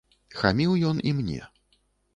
Хаміў ён і мне.